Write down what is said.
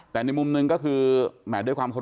แต่ในมุมนึงก็คือ